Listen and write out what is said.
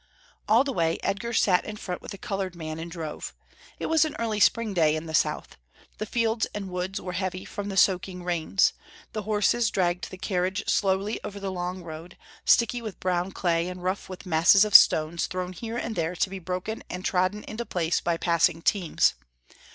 All the way, Edgar sat in front with the colored man and drove. It was an early spring day in the South. The fields and woods were heavy from the soaking rains. The horses dragged the carriage slowly over the long road, sticky with brown clay and rough with masses of stones thrown here and there to be broken and trodden into place by passing teams.